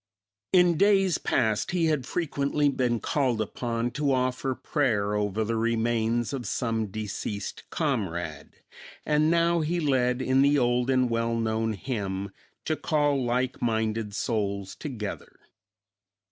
In days past he had frequently been called upon to offer prayer over the remains of some deceased comrade, and now he led in the old and well known hymn to call like minded souls together.